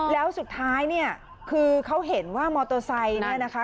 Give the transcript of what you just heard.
แล้วสุดท้ายเนี่ยคือเขาเห็นว่ามอเตอร์ไซค์เนี่ยนะคะ